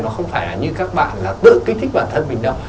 nó không phải như các bạn là tự kích thích bản thân mình đâu